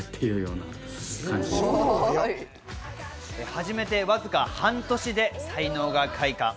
始めてわずか半年で才能が開花。